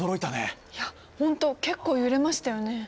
いや本当結構揺れましたよね。